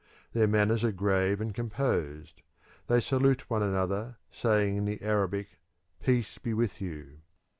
Their manners are grave and composed; they salute one another, saying in the Arabic "Peace be with you."